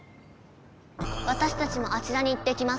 わたしたちもあちらに行ってきます。